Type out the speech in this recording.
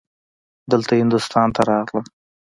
دلته هندوستان ته راغلم.